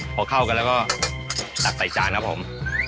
พอเข้ากันแล้วก็ตักใส่จานครับผม